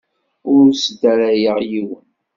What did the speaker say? Ur sdarayeɣ yiwen.